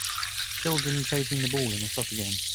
Children chasing the ball in a soccer game.